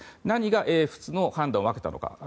何が英仏の判断を分けたのか。